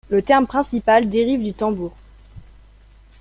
Le terme principal dérive du tambur.